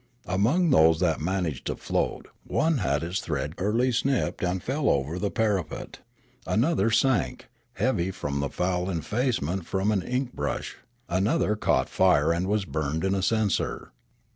Amongst those that managed to float, one had its thread early snipped and fell over the parapet; an other sank, heavy from the foul effacement from an ink brush; another caught fire and was burned in a censer.